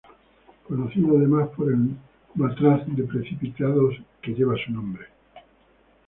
Conocido además por el matraz de precipitados que lleva su nombre.